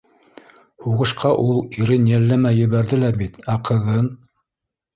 Һуғышҡа ул ирен йәлләмәй ебәрҙе лә бит, ә ҡыҙын?